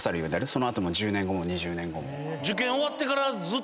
その後１０年後も２０年後も。